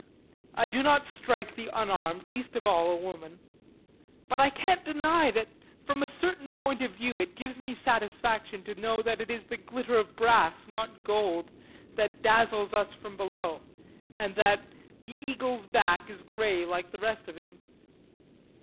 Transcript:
I do not strike the unarmed, least of all, a woman. But I can't deny that from a certain point of view it gives me satisfaction to know that it is the glitter of brass, not gold, that dazzles us from below, and that the eagle's back is grey like the rest of him.